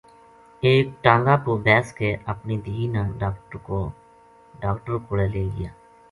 ایک ٹانگہ پو بیس کے اپنی دھی نا ڈاکٹر کولے لے گیا